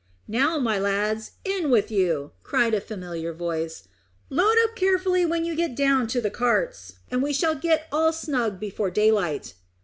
"Now, my lads, in with you," cried a familiar voice. "Load up carefully when you get down to the carts, and we shall get all snug before daylight."